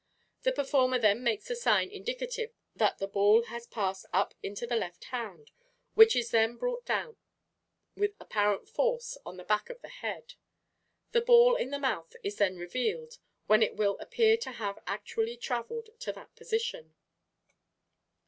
The performer then makes a sign indicative that the ball has passed up into the left hand, which is then brought down with apparent force on the back of the head. The ball in the mouth is then revealed, when it will appear to have actually traveled to that position.